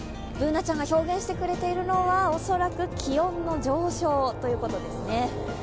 Ｂｏｏｎａちゃんが表現してくれているのは、おそらく気温の上昇ということですね。